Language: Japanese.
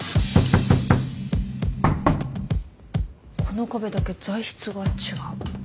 この壁だけ材質が違う。